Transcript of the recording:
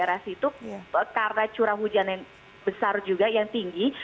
yang tinggal di daerah situ karena curah hujannya besar juga yang tinggi